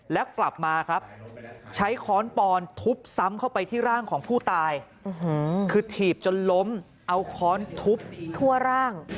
แล้วกลับมาครับใช้ค้อนปอนทุบซ้ำเข้าไปที่ร่างของผู้ตายคือถีบจนล้มเอาค้อนทุบทั่วร่าง